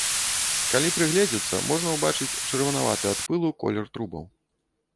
Калі прыгледзецца, можна ўбачыць чырванаваты ад пылу колер трубаў.